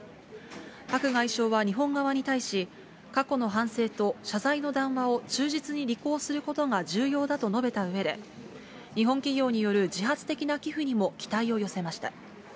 パク外相は日本側に対し、過去の反省と謝罪の談話を忠実に履行することが重要だと述べたうえで、日本企業による自発的な寄付にも期待を寄せました。